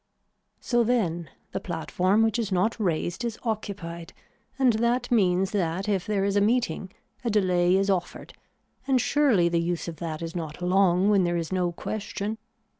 So then the platform which is not raised is occupied and that means that if there is a meeting a delay is offered and surely the use of that is not long when there is no question.